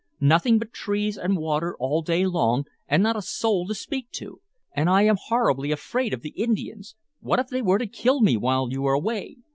Nothing but trees and water all day long, and not a soul to speak to! And I am horribly afraid of the Indians! What if they were to kill me while you were away?